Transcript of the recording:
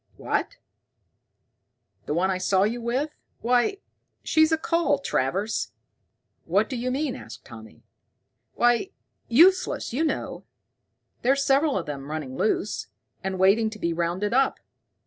"What, the one I saw you with? Why, she's a cull, Travers." "What d'you mean?" asked Tommy. "Why useless, you know. There's several of them running loose, and waiting to be rounded up.